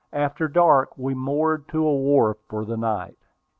After dark we moored to a wharf for the night.